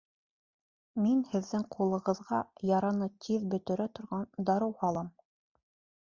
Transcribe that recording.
Мин һеҙҙең ҡулығыҙға яраны тиҙ бөтөрә торған дарыу һалам